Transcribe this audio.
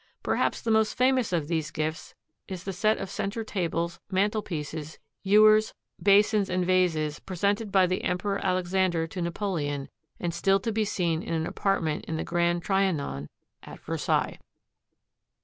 Perhaps the most famous of these gifts is the set of center tables, mantel pieces, ewers, basins and vases presented by the Emperor Alexander to Napoleon and still to be seen in an apartment of the Grand Trianon at Versailles.